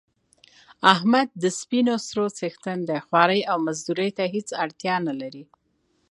احمد د سپینو سرو څښتن دی خوارۍ او مزدورۍ ته هېڅ اړتیا نه لري.